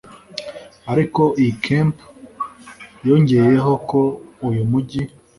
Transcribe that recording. ariko iy'i kemp yongeyeho ko uyu mujyi